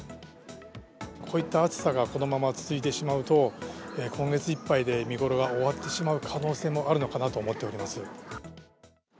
こういった暑さがこのまま続いてしまうと、今月いっぱいで見頃が終わってしまう可能性もあるのかなと思っております。